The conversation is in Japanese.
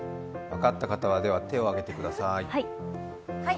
分かった方は手を上げてください。